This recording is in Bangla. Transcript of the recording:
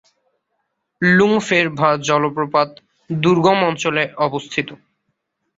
লুং ফের ভা জলপ্রপাত দুর্গম অঞ্চলে অবস্থিত।